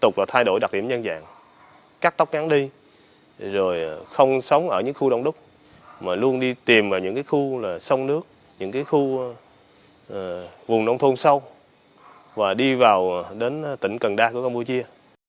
công an tỉnh trà vinh và công an campuchia